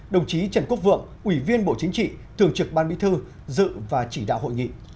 đồng chí trần quốc vượng ủy viên bộ chính trị thường trực ban bí thư dự và chỉ đạo hội nghị